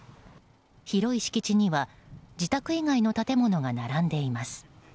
広い敷地には自宅以外の建物が並んでいます。